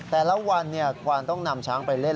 แต่ละวันควานต้องนำช้างไปเล่น